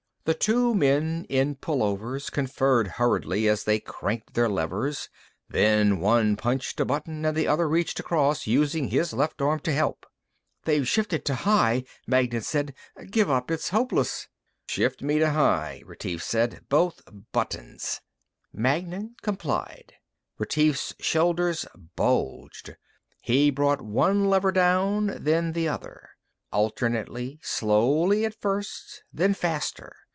The two men in pullovers conferred hurriedly as they cranked their levers; then one punched a button and the other reached across, using his left arm to help. "They've shifted to high," Magnan said. "Give up, it's hopeless." "Shift me to high," Retief said. "Both buttons!" Magnan complied. Retief's shoulders bulged. He brought one lever down, then the other, alternately, slowly at first, then faster.